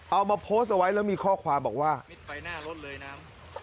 เอามาโพสต์เอาไว้แล้วมีข้อความบอกว่ามิดไฟหน้ารถเลยนะ